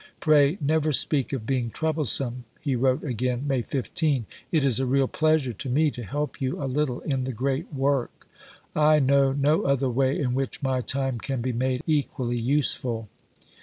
"Pray never speak of being troublesome," he wrote again (May 15): "it is a real pleasure to me to help you a little in the great work: I know no other way in which my time can be made equally useful."